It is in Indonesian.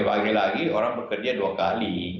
bagi bagi lagi orang bekerja dua kali